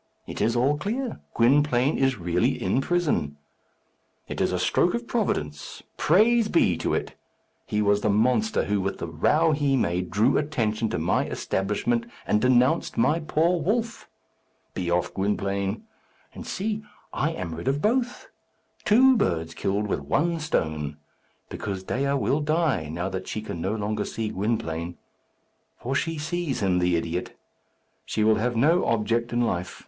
It is all clear. Gwynplaine is really in prison. It is a stroke of Providence. Praise be to it! He was the monster who, with the row he made, drew attention to my establishment and denounced my poor wolf. Be off, Gwynplaine; and, see, I am rid of both! Two birds killed with one stone. Because Dea will die, now that she can no longer see Gwynplaine. For she sees him, the idiot! She will have no object in life.